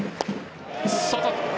外。